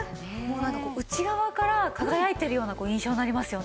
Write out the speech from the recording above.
内側から輝いているような印象になりますよね。